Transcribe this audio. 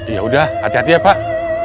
ya udah hati hati ya pak